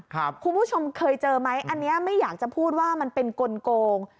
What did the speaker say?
คุณผู้ชมเคยเจอไหมอันนี้ไม่อยากจะพูดว่ามันเป็นกลง